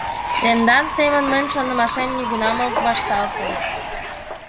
Тендан семын мый шонымашем нигунам ом вашталтыл.